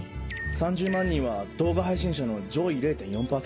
３０万人は動画配信者の上位０．４％。